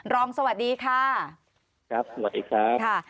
รองสวัสดีค่ะครับสวัสดีครับค่ะ